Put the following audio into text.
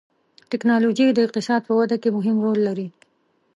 ټکنالوجي د اقتصاد په وده کې مهم رول لري.